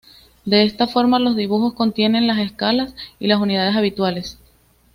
De esta forma, los dibujos contienen las escalas y las unidades habituales.